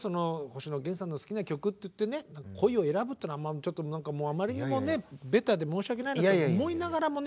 星野源さんの好きな曲って言ってね「恋」を選ぶっていうのはあまりにもねベタで申し訳ないなと思いながらもね。